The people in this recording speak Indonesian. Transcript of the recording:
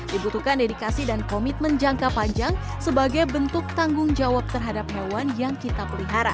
dibutuhkan dedikasi dan komitmen jangka panjang sebagai bentuk tanggung jawab terhadap hewan yang kita pelihara